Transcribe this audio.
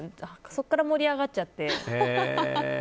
そこから盛り上がっちゃって。